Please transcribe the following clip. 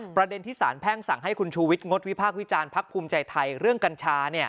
ประเด็นที่สารแพ่งสั่งให้คุณชูวิทยงดวิพากษ์วิจารณ์พักภูมิใจไทยเรื่องกัญชา